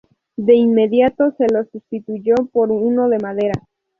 De inmediato se lo sustituyó por uno de madera.